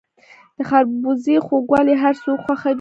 د خربوزو خوږوالی هر څوک خوښوي.